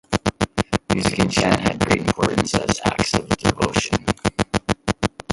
Music and chant had great importance as acts of devotion.